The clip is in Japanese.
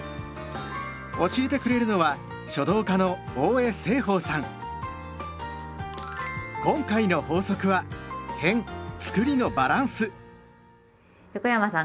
教えてくれるのは今回の法則は横山さん